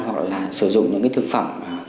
hoặc sử dụng những thức phẩm